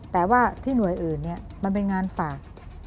แต่ว่าที่หน่วยอื่นมันเป็นงานฝาก